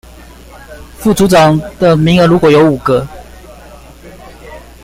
副組長的名額如果有五個